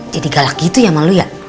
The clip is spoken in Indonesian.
jadi galak gitu ya sama lo ya